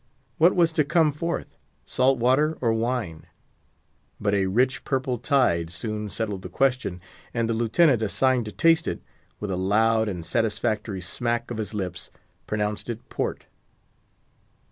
What was to come forth? salt water or wine? But a rich purple tide soon settled the question, and the lieutenant assigned to taste it, with a loud and satisfactory smack of his lips, pronounced it Port!